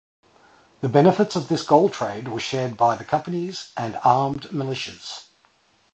The benefits of this gold trade were shared by the companies and armed militias.